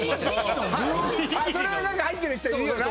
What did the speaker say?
⁉それ中に入ってる人いるよな。